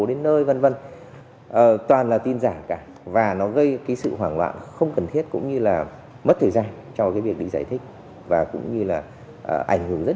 đến nỗi lực phòng chống dịch